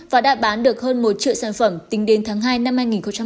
và đã bán được hơn một triệu sản phẩm tính đến tháng hai năm hai nghìn hai mươi